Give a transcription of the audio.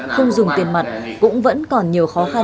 không dùng tiền mặt cũng vẫn còn nhiều khó khăn